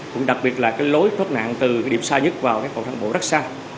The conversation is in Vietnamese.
cũng đặc biệt là lối lốt nạn từ điểm xa nhất vào cầu thang bộ rất xa